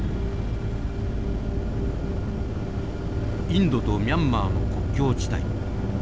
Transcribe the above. インドとミャンマーの国境地帯。